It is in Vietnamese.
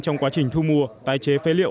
trong quá trình thu mua tái chế phê liệu